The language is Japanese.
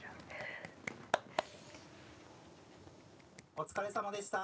お疲れさまでした。